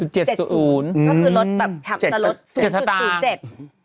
ก็คือลดแบบแบบจะลด๐๐๗